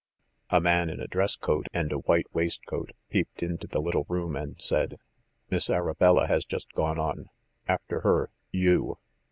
A man in a dress coat and a white waistcoat peeped into the little room and said: "Miss Arabella has just gone on. After her you."